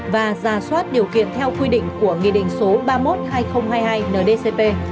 và ra soát điều kiện theo quy định của nghị định số ba mươi một hai nghìn hai mươi hai ndcp